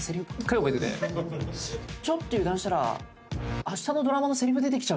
ちょっと油断したら。